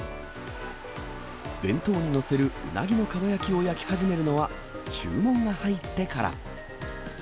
弁当に載せるうなぎのかば焼きを焼き始めるのは、注文が入ってから。